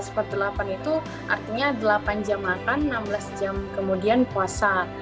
enam belas per delapan itu artinya delapan jam makan enam belas jam kemudian puasa